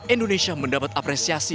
indonesia mendapat apresiasi